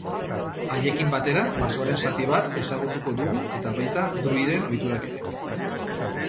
Haiekin batera basoaren zati bat ezagutuko dugu eta baita druiden ohiturak ere.